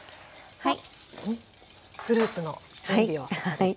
はい。